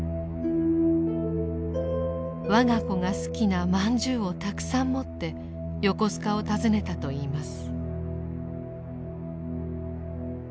我が子が好きなまんじゅうをたくさん持って横須賀を訪ねたといいます。